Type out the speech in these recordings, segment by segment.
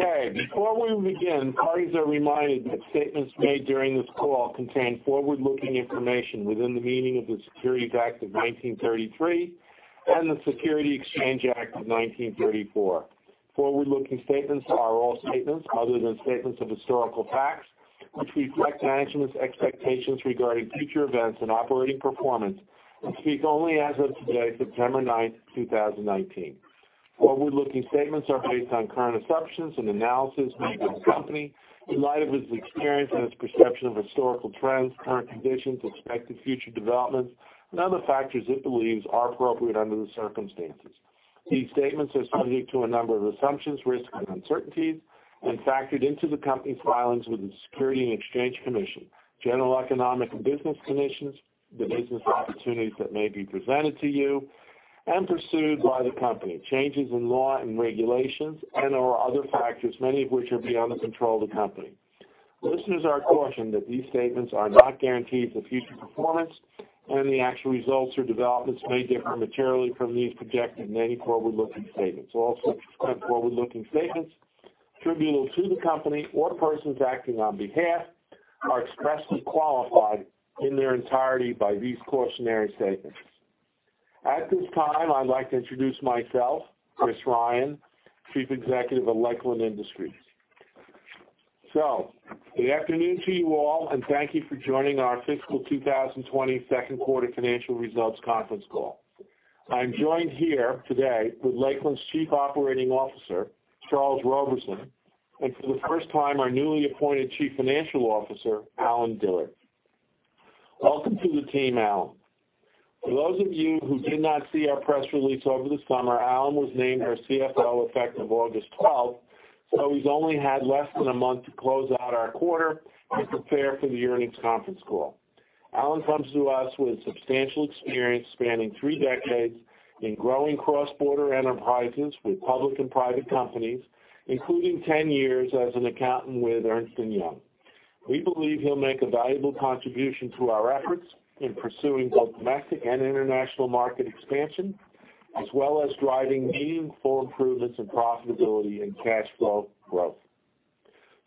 Okay, before we begin, parties are reminded that statements made during this call contain forward-looking information within the meaning of the Securities Act of 1933 and the Securities Exchange Act of 1934. Forward-looking statements are all statements other than statements of historical facts, which reflect management's expectations regarding future events and operating performance and speak only as of today, September 9th, 2019. Forward-looking statements are based on current assumptions and analysis made by the company in light of its experience and its perception of historical trends, current conditions, expected future developments, and other factors it believes are appropriate under the circumstances. These statements are subject to a number of assumptions, risks, and uncertainties, and factored into the company's filings with the Securities and Exchange Commission, general economic and business conditions, the business opportunities that may be presented to you and pursued by the company, changes in law and regulations, and/or other factors, many of which are beyond the control of the company. Listeners are cautioned that these statements are not guarantees of future performance, and the actual results or developments may differ materially from these projected and any forward-looking statements. All such forward-looking statements attributable to the company or persons acting on behalf are expressly qualified in their entirety by these cautionary statements. At this time, I'd like to introduce myself, Chris Ryan, Chief Executive of Lakeland Industries. Good afternoon to you all, and thank you for joining our fiscal 2020 second quarter financial results conference call. I'm joined here today with Lakeland's Chief Operating Officer, Charles Roberson, and for the first time, our newly appointed Chief Financial Officer, Allen Dillard. Welcome to the team, Allen. For those of you who did not see our press release over the summer, Allen was named our CFO effective August 12th, so he's only had less than a month to close out our quarter and prepare for the earnings conference call. Allen comes to us with substantial experience spanning three decades in growing cross-border enterprises with public and private companies, including 10 years as an accountant with Ernst & Young. We believe he'll make a valuable contribution to our efforts in pursuing both domestic and international market expansion, as well as driving meaningful improvements in profitability and cash flow growth.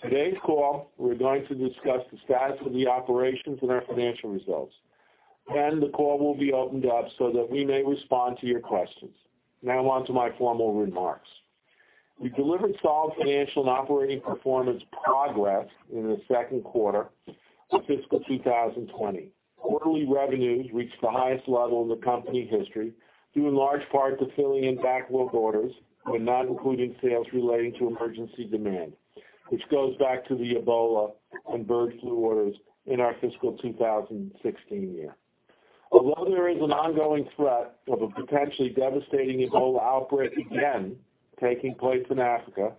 Today's call, we're going to discuss the status of the operations and our financial results. The call will be opened up so that we may respond to your questions. Now on to my formal remarks. We delivered solid financial and operating performance progress in the second quarter of fiscal 2020. Quarterly revenues reached the highest level in the company history, due in large part to filling in backlog orders but not including sales relating to emergency demand, which goes back to the Ebola and bird flu orders in our fiscal 2016 year. Although there is an ongoing threat of a potentially devastating Ebola outbreak again taking place in Africa,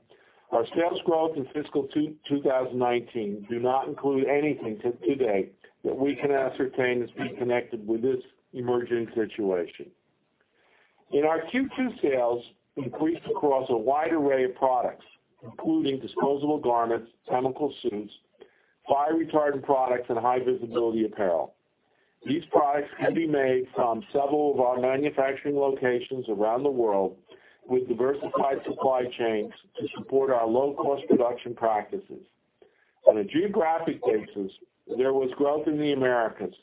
our sales growth in fiscal 2019 do not include anything to today that we can ascertain as being connected with this emerging situation. In our Q2 sales increased across a wide array of products, including disposable garments, chemical suits, fire retardant products, and high visibility apparel. These products can be made from several of our manufacturing locations around the world with diversified supply chains to support our low-cost production practices. On a geographic basis, there was growth in the Americas,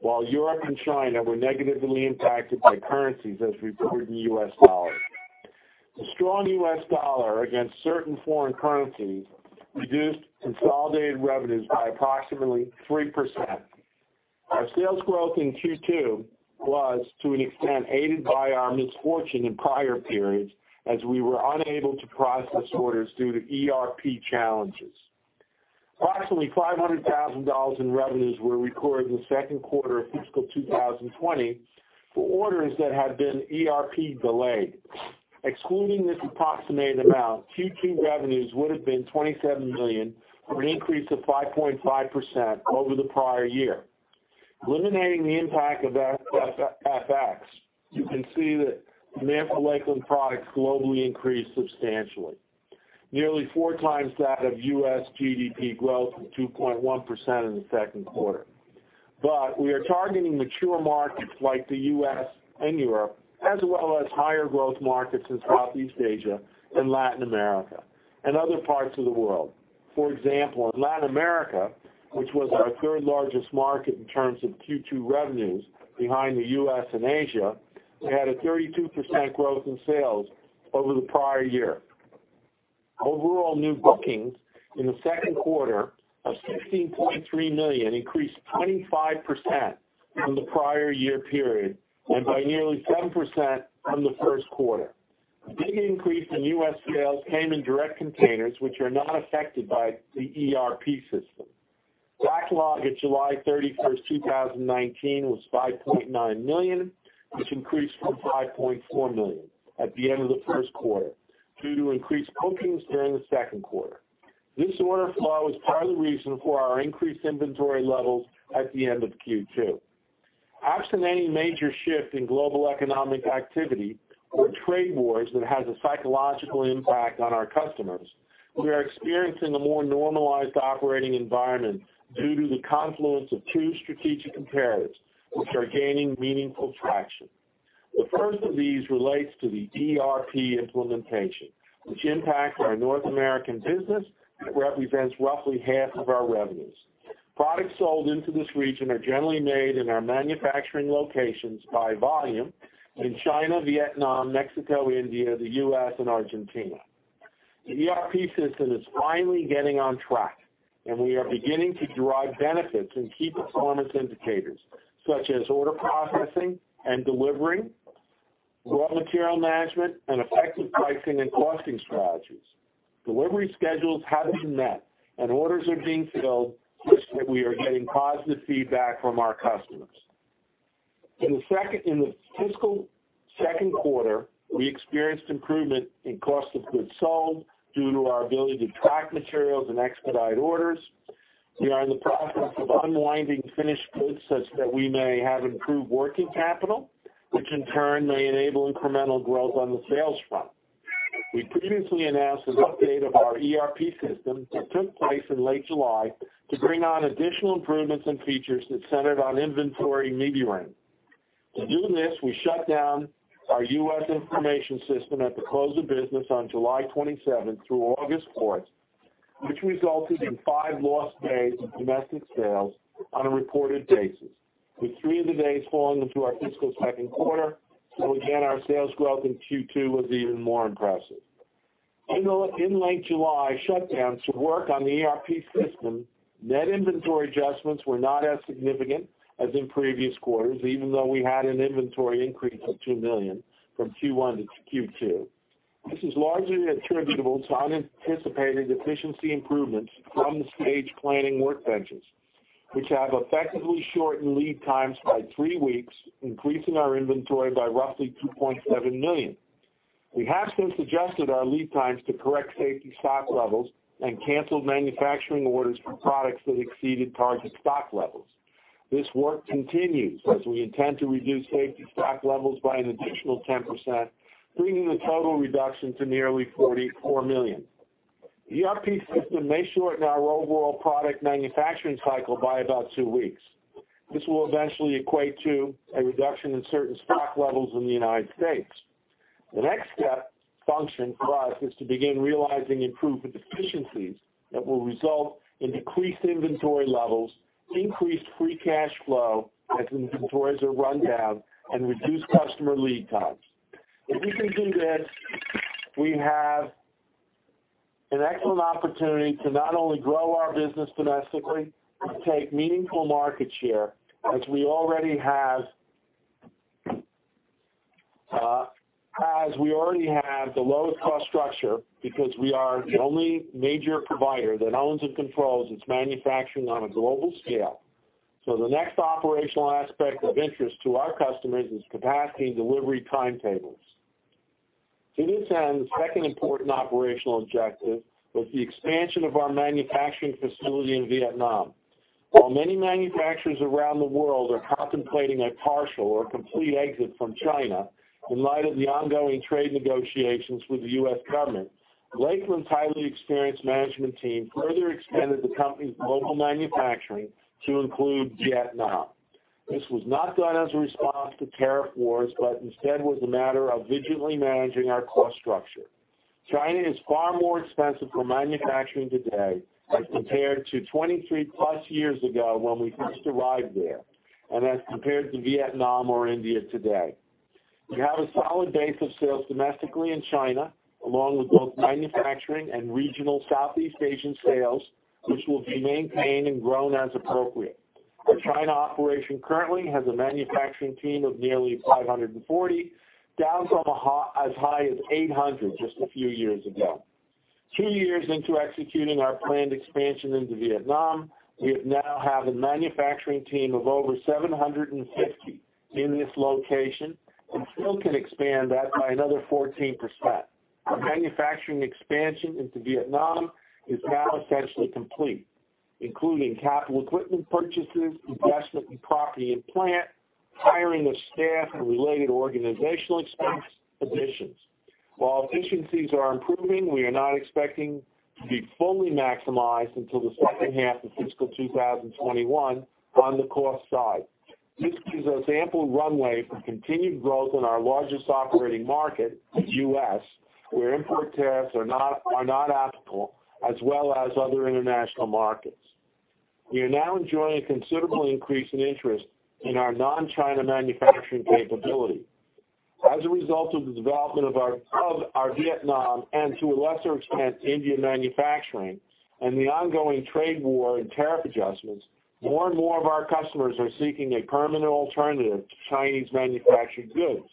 while Europe and China were negatively impacted by currencies as reported in US dollars. The strong US dollar against certain foreign currencies reduced consolidated revenues by approximately 3%. Our sales growth in Q2 was, to an extent, aided by our misfortune in prior periods as we were unable to process orders due to ERP challenges. Approximately $500,000 in revenues were recorded in the second quarter of fiscal 2020 for orders that had been ERP delayed. Excluding this approximated amount, Q2 revenues would've been $27 million, for an increase of 5.5% over the prior year. Eliminating the impact of FX, you can see that demand for Lakeland products globally increased substantially. Nearly four times that of U.S. GDP growth of 2.1% in the second quarter. We are targeting mature markets like the U.S. and Europe, as well as higher growth markets in Southeast Asia and Latin America and other parts of the world. For example, in Latin America, which was our third largest market in terms of Q2 revenues behind the U.S. and Asia, we had a 32% growth in sales over the prior year. Overall new bookings in the second quarter of $16.3 million increased 25% from the prior year period and by nearly 7% from the first quarter. A big increase in U.S. sales came in direct containers, which are not affected by the ERP system. Backlog at July 31st, 2019, was $5.9 million, which increased from $5.4 million at the end of the first quarter due to increased bookings during the second quarter. This order flow is part of the reason for our increased inventory levels at the end of Q2. Absent any major shift in global economic activity or trade wars that has a psychological impact on our customers, we are experiencing a more normalized operating environment due to the confluence of two strategic imperatives, which are gaining meaningful traction. The first of these relates to the ERP implementation, which impacts our North American business that represents roughly half of our revenues. Products sold into this region are generally made in our manufacturing locations by volume in China, Vietnam, Mexico, India, the U.S., and Argentina. The ERP system is finally getting on track, and we are beginning to derive benefits in key performance indicators such as order processing and delivery, raw material management, and effective pricing and costing strategies. Delivery schedules are being met, and orders are being filled such that we are getting positive feedback from our customers. In the fiscal second quarter, we experienced improvement in cost of goods sold due to our ability to track materials and expedite orders. We are in the process of unwinding finished goods such that we may have improved working capital, which in turn may enable incremental growth on the sales front. We previously announced an update of our ERP system that took place in late July to bring on additional improvements and features that centered on inventory. To do this, we shut down our U.S. information system at the close of business on July 27 through August 4, which resulted in five lost days of domestic sales on a reported basis, with three of the days falling into our fiscal second quarter. Again, our sales growth in Q2 was even more impressive. In the late July shutdown to work on the ERP system, net inventory adjustments were not as significant as in previous quarters, even though we had an inventory increase of $2 million from Q1 into Q2. This is largely attributable to unanticipated efficiency improvements from the planning workbenches, which have effectively shortened lead times by three weeks, increasing our inventory by roughly $2.7 million. We have since adjusted our lead times to correct safety stock levels and canceled manufacturing orders for products that exceeded target stock levels. This work continues as we intend to reduce safety stock levels by an additional 10%, bringing the total reduction to nearly $44 million. The ERP system may shorten our overall product manufacturing cycle by about two weeks. This will eventually equate to a reduction in certain stock levels in the United States. The next step function for us is to begin realizing improvements in efficiencies that will result in decreased inventory levels, increased free cash flow as inventories are run down, and reduced customer lead times. If we can do this, we have an excellent opportunity to not only grow our business domestically, but take meaningful market share as we already have the lowest cost structure because we are the only major provider that owns and controls its manufacturing on a global scale. The next operational aspect of interest to our customers is capacity and delivery timetables. To this end, the second important operational objective was the expansion of our manufacturing facility in Vietnam. While many manufacturers around the world are contemplating a partial or complete exit from China in light of the ongoing trade negotiations with the U.S. government, Lakeland's highly experienced management team further expanded the company's global manufacturing to include Vietnam. This was not done as a response to tariff wars, but instead was a matter of vigilantly managing our cost structure. China is far more expensive for manufacturing today as compared to 23 plus years ago when we first arrived there, and as compared to Vietnam or India today. We have a solid base of sales domestically in China, along with both manufacturing and regional Southeast Asian sales, which will be maintained and grown as appropriate. Our China operation currently has a manufacturing team of nearly 540, down from as high as 800 just a few years ago. Two years into executing our planned expansion into Vietnam, we now have a manufacturing team of over 750 in this location and still can expand that by another 14%. Our manufacturing expansion into Vietnam is now essentially complete, including capital equipment purchases, investment in property and plant, hiring of staff, and related organizational expense additions. While efficiencies are improving, we are not expecting to be fully maximized until the second half of fiscal 2021 on the cost side. This gives us ample runway for continued growth in our largest operating market, the U.S., where import tariffs are not applicable, as well as other international markets. We are now enjoying a considerable increase in interest in our non-China manufacturing capability. As a result of the development of our Vietnam, and to a lesser extent, Indian manufacturing, and the ongoing trade war and tariff adjustments, more and more of our customers are seeking a permanent alternative to Chinese manufactured goods.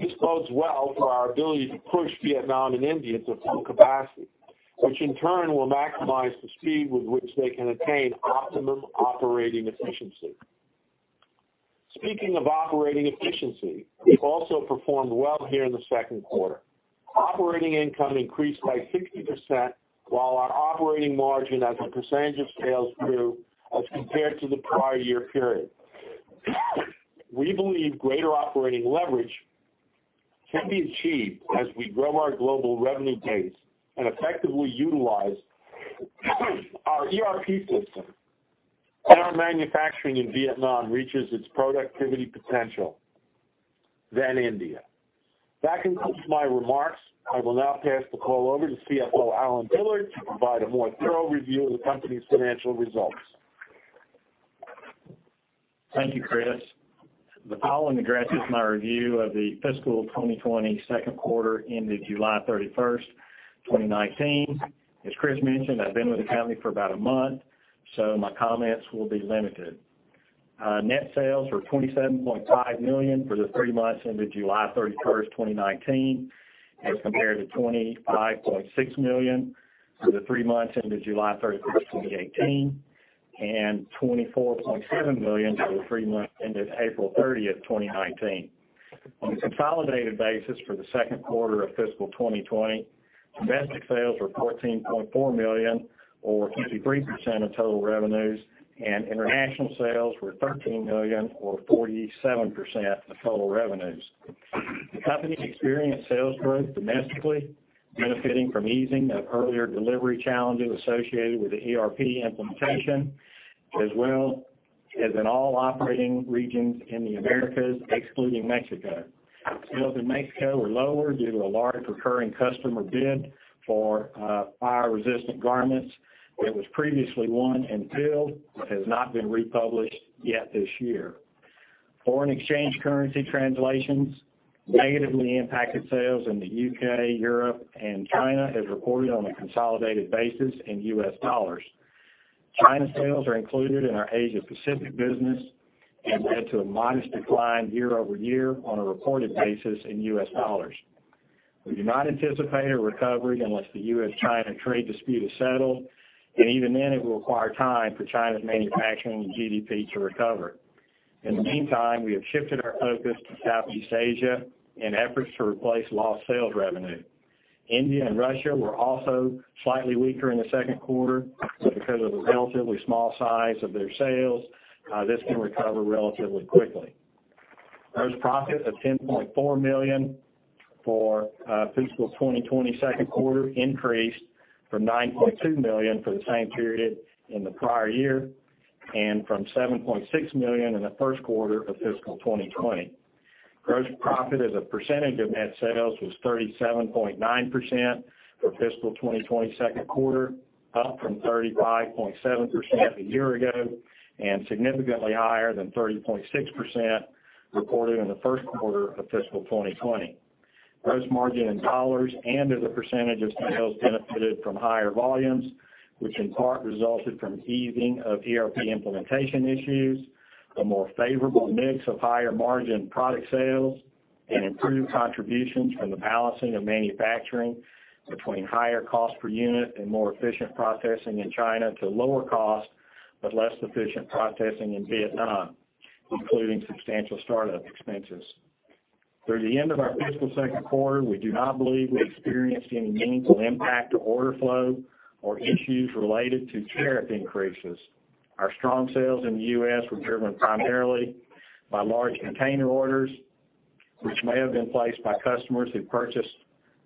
This bodes well for our ability to push Vietnam and India to full capacity, which in turn will maximize the speed with which they can attain optimum operating efficiency. Speaking of operating efficiency, we've also performed well here in the second quarter. Operating income increased by 60%, while our operating margin as a percentage of sales grew as compared to the prior year period. We believe greater operating leverage can be achieved as we grow our global revenue base and effectively utilize our ERP system and our manufacturing in Vietnam reaches its productivity potential than India. That concludes my remarks. I will now pass the call over to CFO Allen Dillard to provide a more thorough review of the company's financial results. Thank you, Chris. The following addresses my review of the fiscal 2020 second quarter ended July 31st, 2019. As Chris mentioned, I've been with the company for about a month, so my comments will be limited. Net sales were $27.5 million for the three months ended July 31st, 2019, as compared to $25.6 million for the three months ended July 31st, 2018, and $24.7 million for the three months ended April 30th, 2019. On a consolidated basis for the second quarter of fiscal 2020, domestic sales were $14.4 million or 53% of total revenues, and international sales were $13 million or 47% of total revenues. The company experienced sales growth domestically, benefiting from easing of earlier delivery challenges associated with the ERP implementation, as well as in all operating regions in the Americas, excluding Mexico. Sales in Mexico were lower due to a large recurring customer bid for fire-resistant garments that was previously won and filled but has not been republished yet this year. Foreign exchange currency translations negatively impacted sales in the U.K., Europe, and China as reported on a consolidated basis in U.S. dollars. China sales are included in our Asia-Pacific business and led to a modest decline year-over-year on a reported basis in U.S. dollars. We do not anticipate a recovery unless the U.S.-China trade dispute is settled, and even then, it will require time for China's manufacturing and GDP to recover. In the meantime, we have shifted our focus to Southeast Asia in efforts to replace lost sales revenue. India and Russia were also slightly weaker in the second quarter, but because of the relatively small size of their sales, this can recover relatively quickly. Gross profit of $10.4 million for fiscal 2020 second quarter increased from $9.2 million for the same period in the prior year, and from $7.6 million in the first quarter of fiscal 2020. Gross profit as a percentage of net sales was 37.9% for fiscal 2020 second quarter, up from 35.7% a year ago and significantly higher than 30.6% reported in the first quarter of fiscal 2020. Gross margin in dollars and as a percentage of sales benefited from higher volumes, which in part resulted from easing of ERP implementation issues, a more favorable mix of higher margin product sales, and improved contributions from the balancing of manufacturing between higher cost per unit and more efficient processing in China to lower cost, but less efficient processing in Vietnam, including substantial startup expenses. Through the end of our fiscal second quarter, we do not believe we experienced any meaningful impact to order flow or issues related to tariff increases. Our strong sales in the U.S. were driven primarily by large container orders, which may have been placed by customers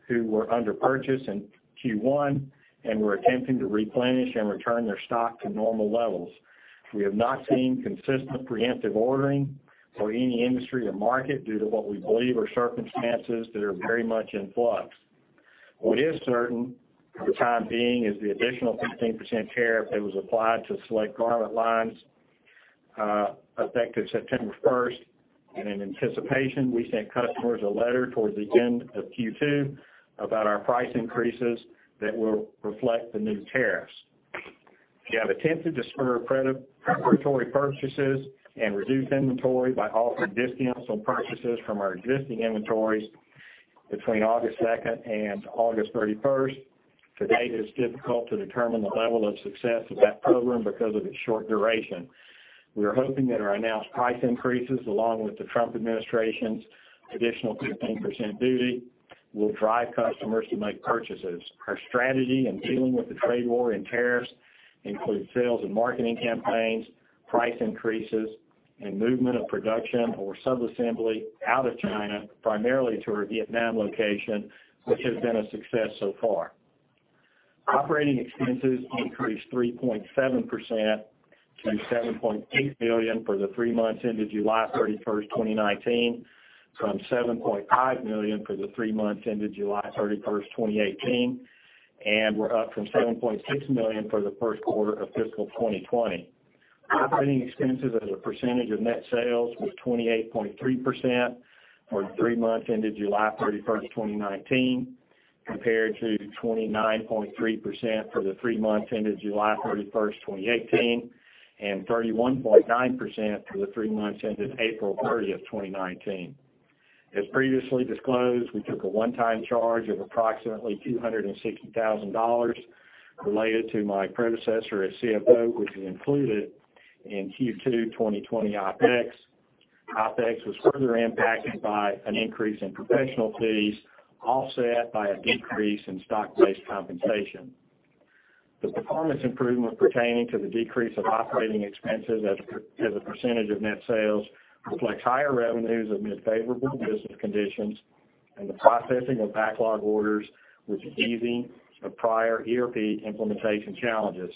who were under-purchased in Q1 and were attempting to replenish and return their stock to normal levels. We have not seen consistent preemptive ordering for any industry or market due to what we believe are circumstances that are very much in flux. What is certain for the time being is the additional 15% tariff that was applied to select garment lines effective September 1st, and in anticipation, we sent customers a letter towards the end of Q2 about our price increases that will reflect the new tariffs. We have attempted to spur preparatory purchases and reduce inventory by offering discounts on purchases from our existing inventories between August 2nd and August 31st. To date, it's difficult to determine the level of success of that program because of its short duration. We are hoping that our announced price increases, along with the Trump administration's additional 15% duty, will drive customers to make purchases. Our strategy in dealing with the trade war and tariffs includes sales and marketing campaigns, price increases, and movement of production or sub-assembly out of China, primarily to our Vietnam location, which has been a success so far. Operating expenses increased 3.7% to $7.8 million for the three months ended July 31st, 2019, from $7.5 million for the three months ended July 31st, 2018, and were up from $7.6 million for the first quarter of fiscal 2020. Operating expenses as a percentage of net sales was 28.3% for the three months ended July 31st, 2019, compared to 29.3% for the three months ended July 31st, 2018, and 31.9% for the three months ended April 30th, 2019. As previously disclosed, we took a one-time charge of approximately $260,000 related to my predecessor as CFO, which is included in Q2 2020 OpEx. OpEx was further impacted by an increase in professional fees, offset by a decrease in stock-based compensation. The performance improvement pertaining to the decrease of operating expenses as a percentage of net sales reflects higher revenues amid favorable business conditions and the processing of backlog orders with the easing of prior ERP implementation challenges.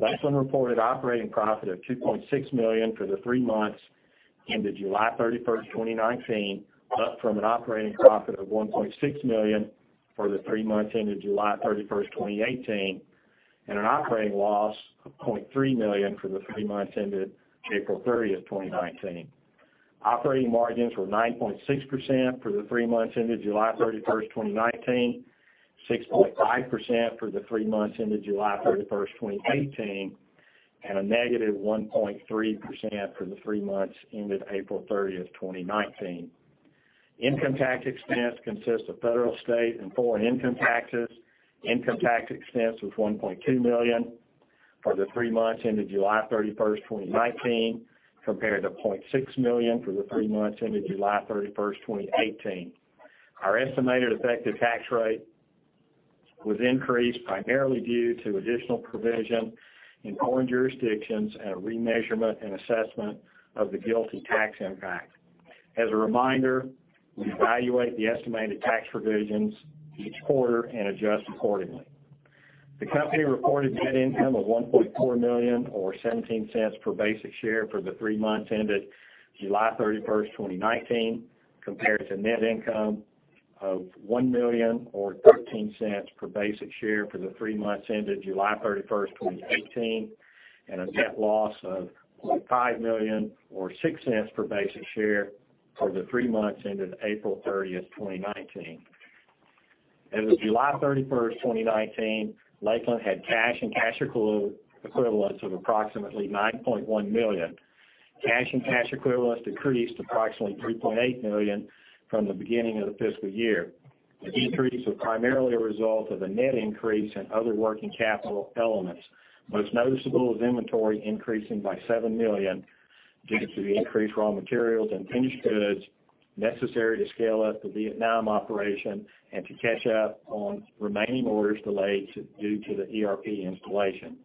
Lakeland reported operating profit of $2.6 million for the three months ended July 31st, 2019, up from an operating profit of $1.6 million for the three months ended July 31st, 2018, and an operating loss of $0.3 million for the three months ended April 30th, 2019. Operating margins were 9.6% for the three months ended July 31st, 2019, 6.5% for the three months ended July 31st, 2018, and a -1.3% for the three months ended April 30th, 2019. Income tax expense consists of federal state and foreign income taxes. Income tax expense was $1.2 million for the three months ended July 31st, 2019, compared to $0.6 million for the three months ended July 31st, 2018. Our estimated effective tax rate was increased primarily due to additional provision in foreign jurisdictions and a remeasurement and assessment of the GILTI tax impact. As a reminder, we evaluate the estimated tax provisions each quarter and adjust accordingly. The company reported net income of $1.4 million, or $0.17 per basic share for the three months ended July 31st, 2019, compared to net income of $1 million or $0.13 per basic share for the three months ended July 31st, 2018, and a net loss of $0.5 million or $0.06 per basic share for the three months ended April 30th, 2019. As of July 31st, 2019, Lakeland had cash and cash equivalents of approximately $9.1 million. Cash and cash equivalents decreased approximately $3.8 million from the beginning of the fiscal year. The decrease was primarily a result of a net increase in other working capital elements. Most noticeable is inventory increasing by $7 million due to the increased raw materials and finished goods necessary to scale up the Vietnam operation and to catch up on remaining orders delayed due to the ERP installation.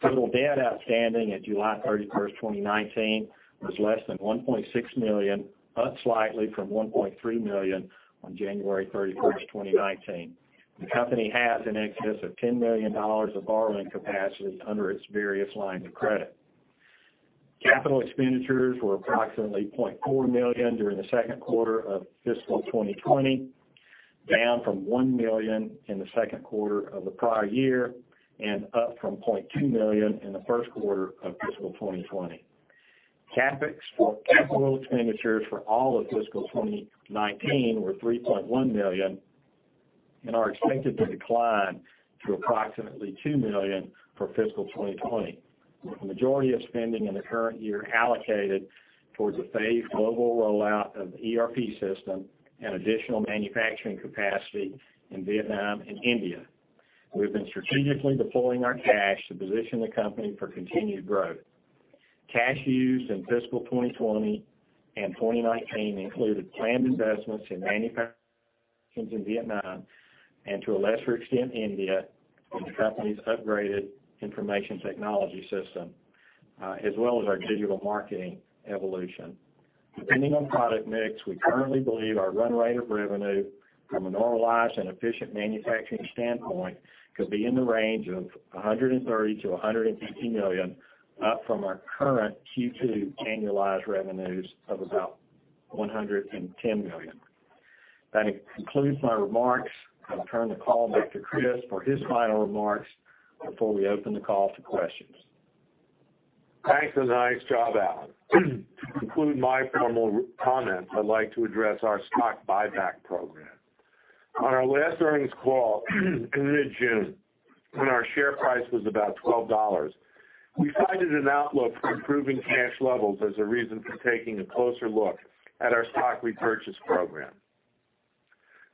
Total debt outstanding at July 31st, 2019, was less than $1.6 million, up slightly from $1.3 million on January 31st, 2019. The company has in excess of $10 million of borrowing capacity under its various lines of credit. Capital expenditures were approximately $0.4 million during the second quarter of fiscal 2020, down from $1 million in the second quarter of the prior year and up from $0.2 million in the first quarter of fiscal 2020. Capital expenditures for all of fiscal 2019 were $3.1 million and are expected to decline to approximately $2 million for fiscal 2020, with the majority of spending in the current year allocated towards a phased global rollout of the ERP system and additional manufacturing capacity in Vietnam and India. We've been strategically deploying our cash to position the company for continued growth. Cash used in fiscal 2020 and 2019 included planned investments in manufacturing in Vietnam and, to a lesser extent, India, and the company's upgraded information technology system, as well as our digital marketing evolution. Depending on product mix, we currently believe our run rate of revenue from a normalized and efficient manufacturing standpoint could be in the range of $130 million-$150 million, up from our current Q2 annualized revenues of about $110 million. That concludes my remarks. I'll turn the call back to Chris for his final remarks before we open the call to questions. Thanks, and nice job, Allen. To conclude my formal comments, I'd like to address our stock buyback program. On our last earnings call in mid-June, when our share price was about $12, we cited an outlook for improving cash levels as a reason for taking a closer look at our stock repurchase program.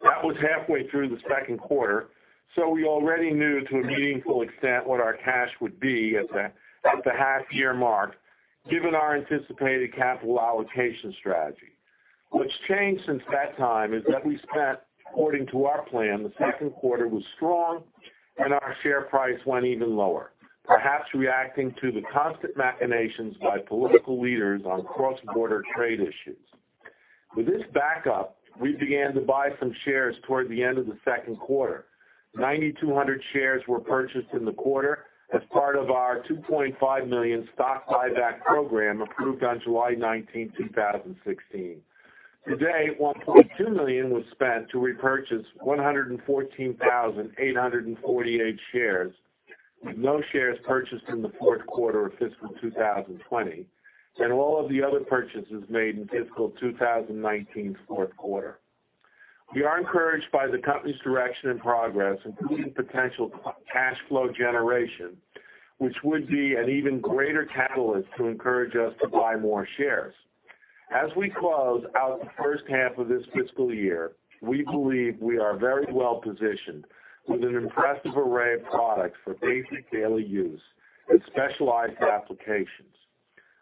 That was halfway through the second quarter. We already knew to a meaningful extent what our cash would be at the half-year mark given our anticipated capital allocation strategy. What's changed since that time is that we spent according to our plan. The second quarter was strong. Our share price went even lower, perhaps reacting to the constant machinations by political leaders on cross-border trade issues. With this backup, we began to buy some shares toward the end of the second quarter. 9,200 shares were purchased in the quarter as part of our $2.5 million stock buyback program approved on July 19th, 2016. To date, $1.2 million was spent to repurchase 114,848 shares, with no shares purchased in the fourth quarter of fiscal 2020, and all of the other purchases made in fiscal 2019's fourth quarter. We are encouraged by the company's direction and progress, including potential cash flow generation, which would be an even greater catalyst to encourage us to buy more shares. As we close out the first half of this fiscal year, we believe we are very well positioned with an impressive array of products for basic daily use and specialized applications.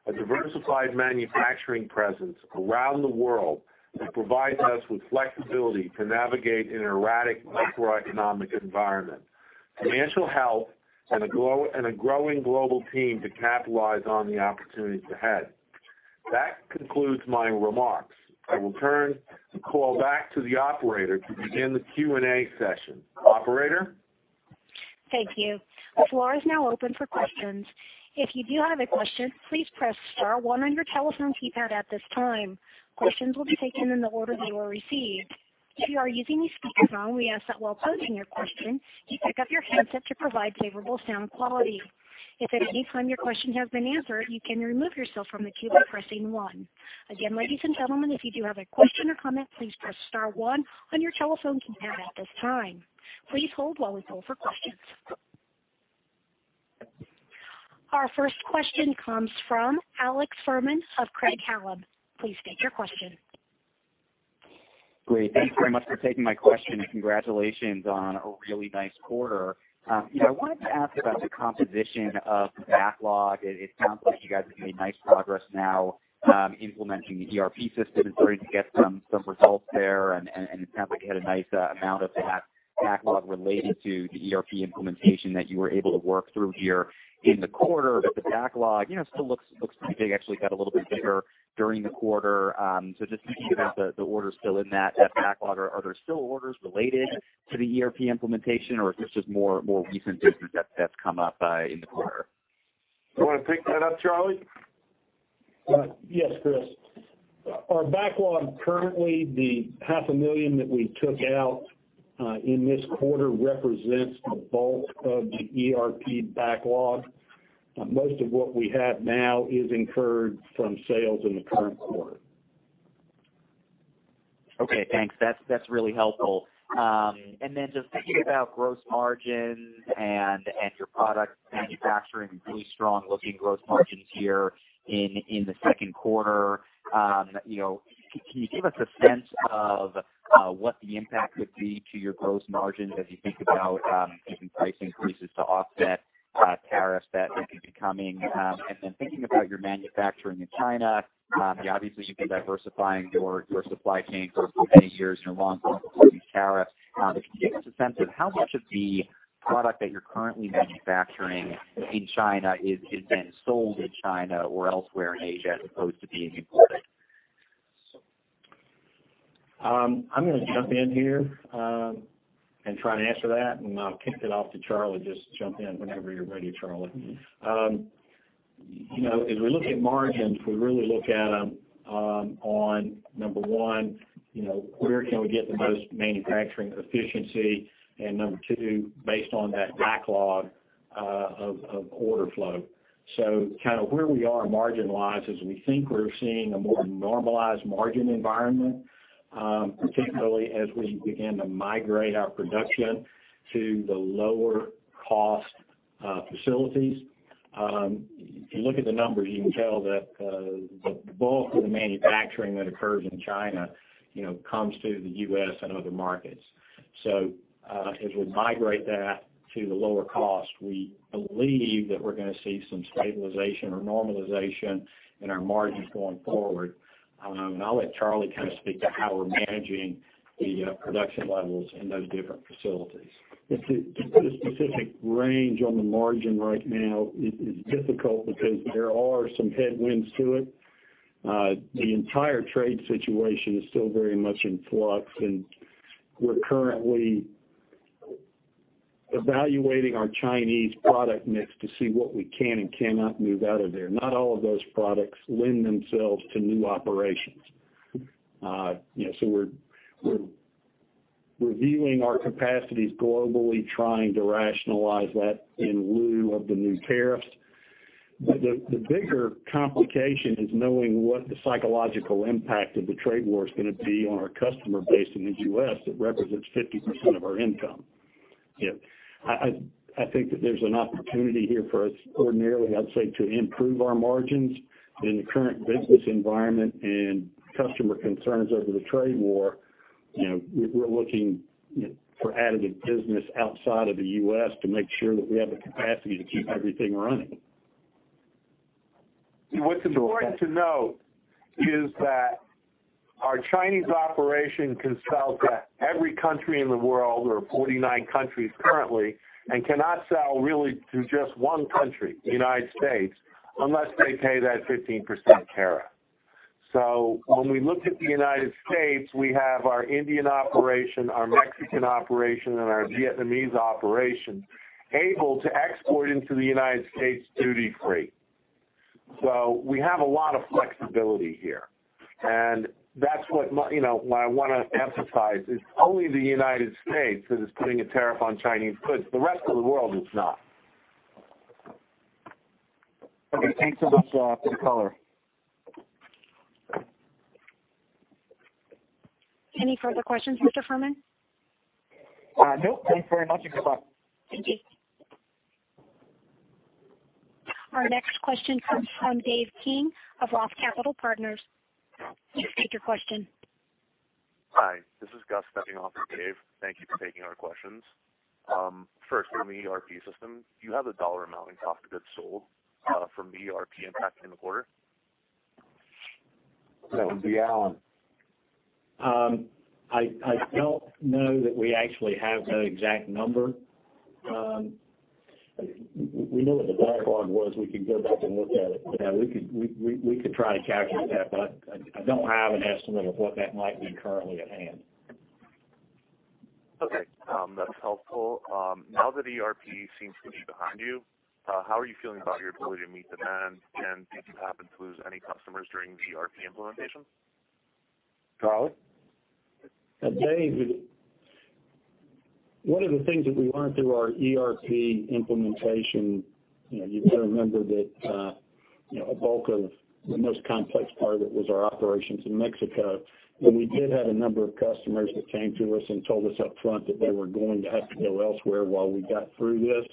A diversified manufacturing presence around the world that provides us with flexibility to navigate in an erratic macroeconomic environment, financial health, and a growing global team to capitalize on the opportunities ahead. That concludes my remarks. I will turn the call back to the operator to begin the Q&A session. Operator? Thank you. The floor is now open for questions. If you do have a question, please press star one on your telephone keypad at this time. Questions will be taken in the order they were received. If you are using a speakerphone, we ask that while posing your question, you pick up your handset to provide favorable sound quality. If at any time your question has been answered, you can remove yourself from the queue by pressing one. Again, ladies and gentlemen, if you do have a question or comment, please press star one on your telephone keypad at this time. Please hold while we pull for questions. Our first question comes from Alex Fuhrman of Craig-Hallum. Please state your question. Great. Thanks very much for taking my question, congratulations on a really nice quarter. I wanted to ask about the composition of the backlog. It sounds like you guys are making nice progress now implementing the ERP system and starting to get some results there. It sounds like you had a nice amount of that backlog related to the ERP implementation that you were able to work through here in the quarter. The backlog still looks pretty big, actually got a little bit bigger during the quarter. Just thinking about the orders still in that backlog, are there still orders related to the ERP implementation, or is this just more recent business that's come up in the quarter? You want to pick that up, Charlie? Yes, Chris. Our backlog currently, the half a million that we took out in this quarter represents the bulk of the ERP backlog. Most of what we have now is incurred from sales in the current quarter. Okay, thanks. That's really helpful. Just thinking about gross margins and your product manufacturing, really strong looking gross margins here in the second quarter. Can you give us a sense of what the impact would be to your gross margins as you think about taking price increases to offset tariffs that may be coming? Thinking about your manufacturing in China, you obviously have been diversifying your supply chain for many years in advance of these tariffs. Can you give us a sense of how much of the product that you're currently manufacturing in China is being sold in China or elsewhere in Asia as opposed to being imported? I'm going to jump in here and try to answer that, and I'll kick it off to Charlie. Just jump in whenever you're ready, Charlie. As we look at margins, we really look at them on, number 1, where can we get the most manufacturing efficiency, and number 2, based on that backlog of order flow. Where we are margin-wise is we think we're seeing a more normalized margin environment, particularly as we begin to migrate our production to the lower cost facilities. If you look at the numbers, you can tell that the bulk of the manufacturing that occurs in China comes to the U.S. and other markets. As we migrate that to the lower cost, we believe that we're going to see some stabilization or normalization in our margins going forward. I'll let Charlie kind of speak to how we're managing the production levels in those different facilities. To put a specific range on the margin right now is difficult because there are some headwinds to it. The entire trade situation is still very much in flux, and we're currently evaluating our Chinese product mix to see what we can and cannot move out of there. Not all of those products lend themselves to new operations. We're reviewing our capacities globally, trying to rationalize that in lieu of the new tariffs. The bigger complication is knowing what the psychological impact of the trade war is going to be on our customer base in the U.S. that represents 50% of our income. I think that there's an opportunity here for us ordinarily, I'd say, to improve our margins. In the current business environment and customer concerns over the trade war, we're looking for additive business outside of the U.S. to make sure that we have the capacity to keep everything running. What's important to note is that our Chinese operation can sell to every country in the world. We're in 49 countries currently, and cannot sell really to just one country, the United States, unless they pay that 15% tariff. When we look at the United States, we have our Indian operation, our Mexican operation, and our Vietnamese operation able to export into the United States duty-free. We have a lot of flexibility here, and that's what I want to emphasize is only the United States that is putting a tariff on Chinese goods. The rest of the world is not. Okay, thanks so much for the color. Any further questions, Alex Fuhrman? Nope. Thanks very much and goodbye. Thank you. Our next question comes from Dave King of ROTH Capital Partners. Please state your question. Hi, this is Gus stepping off for Dave. Thank you for taking our questions. On the ERP system, do you have the dollar amount in cost of goods sold from the ERP impact in the quarter? That would be Allen. I don't know that we actually have that exact number. We know what the backlog was. We could go back and look at it. Yeah, we could try to calculate that, but I don't have an estimate of what that might be currently at hand. Okay. That's helpful. Now that ERP seems to be behind you, how are you feeling about your ability to meet demand? Did you happen to lose any customers during the ERP implementation? Charlie? Dave, one of the things that we learned through our ERP implementation, you've got to remember that a bulk of the most complex part of it was our operations in Mexico. We did have a number of customers that came to us and told us up front that they were going to have to go elsewhere while we got through this.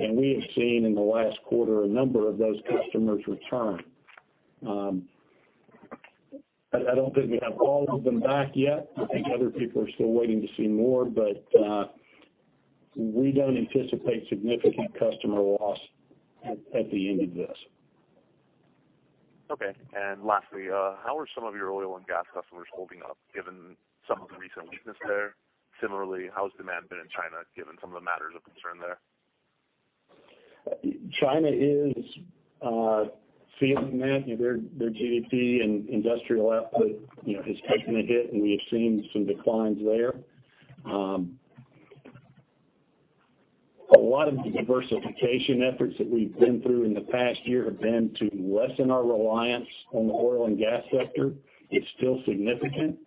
We have seen in the last quarter a number of those customers return. I don't think we have all of them back yet. I think other people are still waiting to see more. We don't anticipate significant customer loss at the end of this. Okay. Lastly, how are some of your oil and gas customers holding up given some of the recent weakness there? Similarly, how has demand been in China given some of the matters of concern there? China is feeling that. Their GDP and industrial output has taken a hit, and we have seen some declines there. A lot of the diversification efforts that we've been through in the past year have been to lessen our reliance on the oil and gas sector. It's still significant.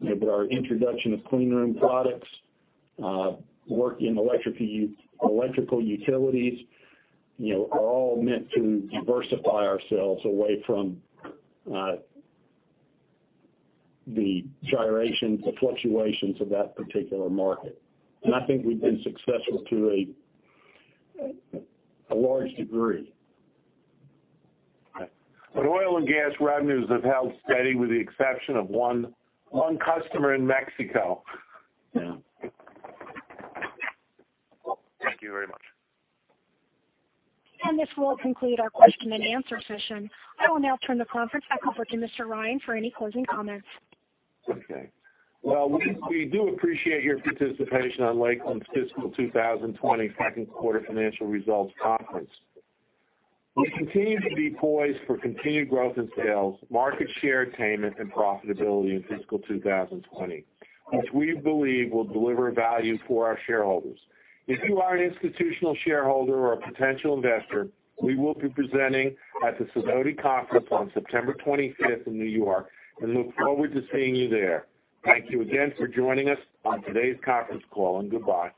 But our introduction of clean room products, work in electrical utilities, are all meant to diversify ourselves away from the gyrations, the fluctuations of that particular market. And I think we've been successful to a large degree. Oil and gas revenues have held steady with the exception of one customer in Mexico. Yeah. Thank you very much. This will conclude our question and answer session. I will now turn the conference back over to Mr. Ryan for any closing comments. Okay. Well, we do appreciate your participation on Lakeland's fiscal 2020 second quarter financial results conference. We continue to be poised for continued growth in sales, market share attainment, and profitability in fiscal 2020, which we believe will deliver value for our shareholders. If you are an institutional shareholder or a potential investor, we will be presenting at the Sidoti Fall Conference on September 25th in New York, and look forward to seeing you there. Thank you again for joining us on today's conference call, and goodbye.